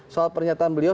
soal pernyataan beliau